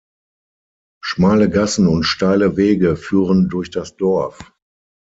Schmale Gassen und steile Wege führen durch das Dorf.